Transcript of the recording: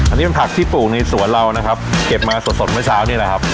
อันนี้เป็นผักที่ปลูกในสวนเรานะครับเก็บมาสดสดเมื่อเช้านี่แหละครับ